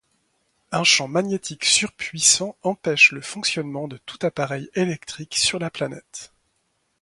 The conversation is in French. Un champ magnétique surpuissant empêche le fonctionnement de tout appareil électrique sur la planète.